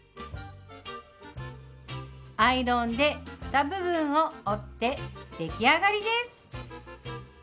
アイロンでふた部分を折って出来上がりです！